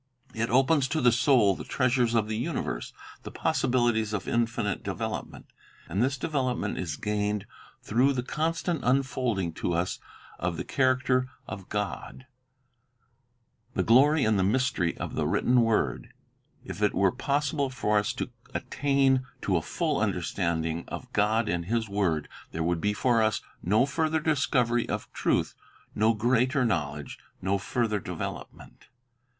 It opens to the soul the treasures of the universe, the possibilities of infinite development. And this development is gained through the con piedfre of s tant unfolding to us of the character of God, — the Eternal ° Growth glory and the mystery of the written word. If it were possible for us to attain to a full understanding of God and His word, there would be for us no further discovery of truth, no greater knowledge, no further development.